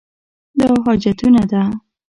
دا حاجتونه ده.